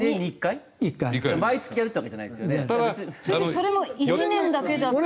それも１年だけだって言って。